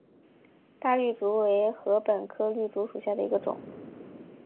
大绿竹为禾本科绿竹属下的一个种。